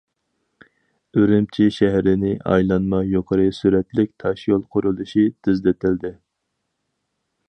ئۈرۈمچى شەھىرىنى ئايلانما يۇقىرى سۈرئەتلىك تاشيول قۇرۇلۇشى تېزلىتىلدى.